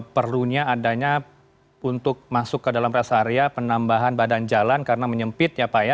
perlunya adanya untuk masuk ke dalam rest area penambahan badan jalan karena menyempit ya pak ya